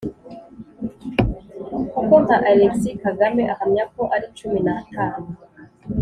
kuko nka Alexis Kagame ahamya ko ari cumi n’atanu